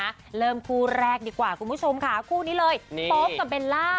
เริ่มคู่แรกดีกว่าคุณผู้ชมค่ะคู่นี้เลยโป๊ปกับเบลล่า